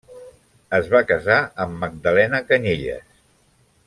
Es va casar amb Magdalena Canyelles.